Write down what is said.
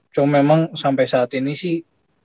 cuman memang sampai saat ini sih